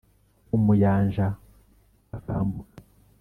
umuyanja akambuka